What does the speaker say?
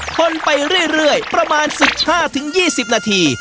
คนไปเรื่อยประมาณ๑๕๒๐นาที